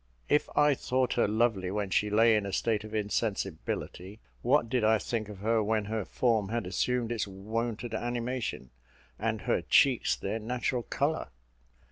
If I thought her lovely when she lay in a state of insensibility, what did I think of her when her form had assumed its wonted animation, and her cheeks their natural colour?